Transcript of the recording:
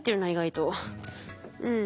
うん。